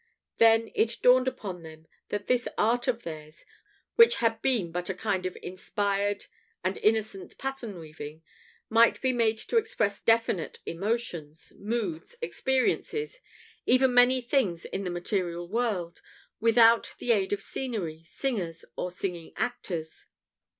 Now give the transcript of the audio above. Then it dawned upon them that this art of theirs, which had been but a kind of inspired and innocent pattern weaving, might be made to express definite emotions, moods, experiences, even many things in the material world, without the aid of scenery, singers, or singing actors.